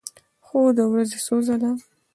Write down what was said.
هو، د ورځې څو ځله